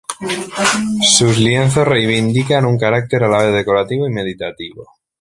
Sus lienzos reivindican un carácter a la vez decorativo y meditativo.